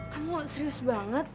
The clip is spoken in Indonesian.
kamu serius banget